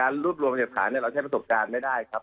การรูปรวมเหตุผลขาดเนี่ยเราใช้ประสบการณ์ไม่ได้ครับ